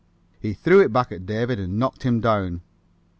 He threw it back at David and knocked him down.